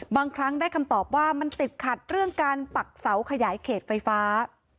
บางครั้งได้คำตอบว่ามันติดขัดเรื่องการปักเสาขยายเขตไฟฟ้า